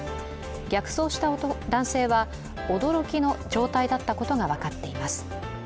逆走した男性は驚きの状態だったことが分かっています。